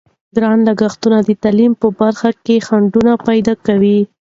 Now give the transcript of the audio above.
ګران لګښتونه د تعلیم په برخه کې خنډونه پیدا کوي.